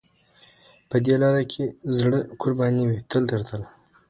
په دې لار کې زړه قربان وي تل تر تله.